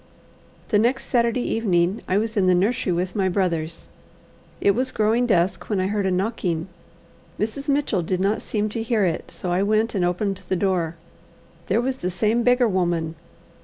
The next Saturday evening I was in the nursery with my brothers. It was growing dusk, when I heard a knocking. Mrs. Mitchell did not seem to hear it, so I went and opened the door. There was the same beggar woman.